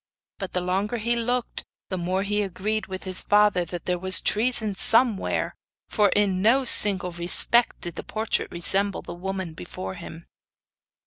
But the longer he looked the more he agreed with his father that there was treason somewhere, for in no single respect did the portrait resemble the woman before him.